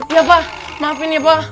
ya pak maafin ya pak